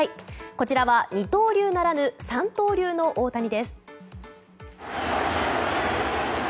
こちらは二刀流ならぬ三刀流の大谷です。